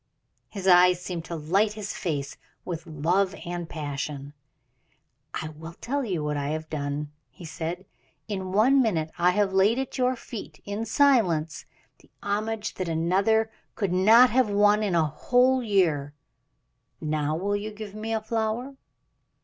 His eyes seemed to light his face with love and passion. "I will tell you what I have done," he said. "In one minute I have laid at your feet, in silence, the homage that another could not have won in a whole year. Now will you give me a flower?"